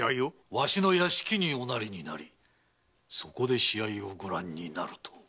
わしの屋敷に御成になりそこで試合をご覧になると。